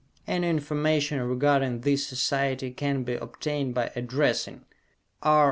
Any information regarding this society can be obtained by addressing R.